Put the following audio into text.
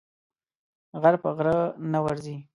غر په غره نه ورځي.